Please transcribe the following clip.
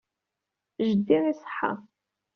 Jeddi iṣeḥḥa.